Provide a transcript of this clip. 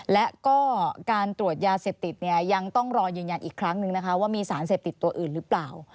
และก็การตรวจยาเสพติดเนี่ยยังต้องรอยืนยันอีกครั้งนึงนะคะว่ามีสารเสพติดตัวอื่นหรือเปล่า